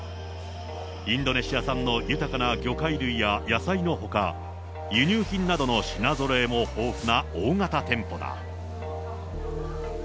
インドネシア産の豊かな魚介類や野菜のほか、輸入品などの品ぞろえも豊富な大型店舗だ。